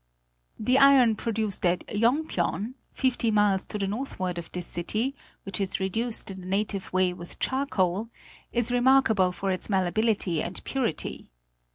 The iron produced at Yéngpydon, fifty miles to the northward of this city, which is reduced in the native way with charcoal, is remarkable for its malleability and purity.